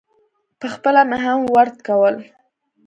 پخپله مې هم ورد کول.